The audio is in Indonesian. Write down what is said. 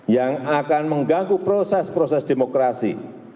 yang akan mengganggu proses proses demokrasi